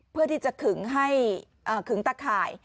เพื่อที่จะขึงให้ขึงตะข่าย